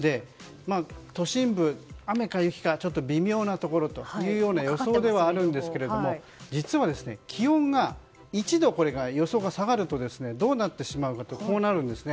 都心部、雨か雪かちょっと微妙なところという予想ではあるんですけれども実は、気温が１度予想から下がるとどうなってしまうかというとこうなるんですね。